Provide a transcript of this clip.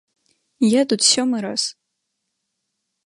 Я тут сёмы раз.